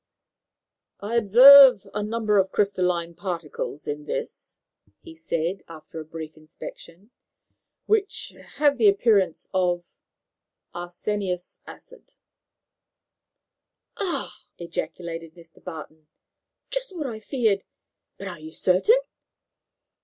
"I observe a number of crystalline particles in this," he said, after a brief inspection, "which have the appearance of arsenious acid." "Ah!" ejaculated Mr. Barton, "just what I feared. But are you certain?"